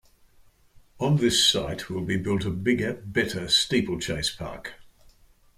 On this site will be built a bigger, better, Steeplechase Park.